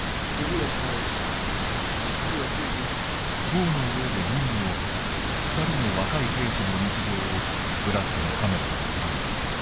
塔の上で任務を果たす２人の若い兵士の日常をブラッドのカメラは捉えています。